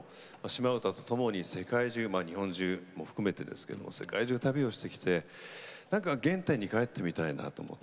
「島唄」と共に世界中まあ日本中も含めてですけども世界中旅をしてきて何か原点に返ってみたいなと思って。